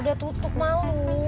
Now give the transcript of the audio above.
udah tutup malu